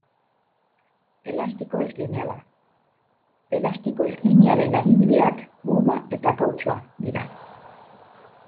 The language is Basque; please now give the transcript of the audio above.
Elastiko ez-lineala: Elastiko ez-linealen adibideak goma eta kautxua dira.